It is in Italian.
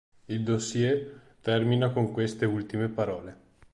Il dossier termina con queste ultime parole.